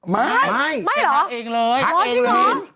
ไม่ไม่หรอกแกทักเองเลย